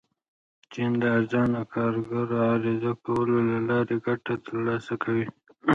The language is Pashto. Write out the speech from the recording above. چین د ارزانه کارګرو عرضه کولو له لارې ګټه ترلاسه کوي.